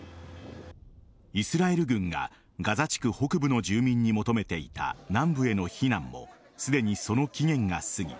イスラエル軍がガザ地区北部の住民に求めていた南部への避難もすでにその期限が過ぎ